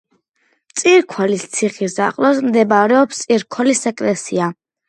წირქვალის ციხის ახლოს მდებარეობს წირქოლის ეკლესია.